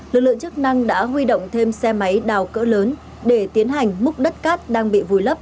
lực lượng chức năng đã huy động thêm xe máy đào cỡ lớn để tiến hành múc đất cát đang bị vùi lấp